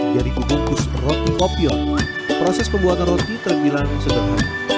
dari kubukus roti kopior proses pembuatan roti terbilang sederhana